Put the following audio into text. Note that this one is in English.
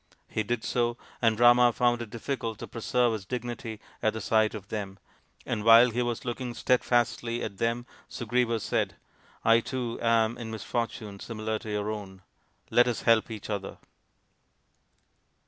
He did so, and Rama found it difficult to preserve his dignity at the sight of them ; and while he was looking steadfastly at them Sugriva said, " I too am in misfortune similar to your own. Let us help each other."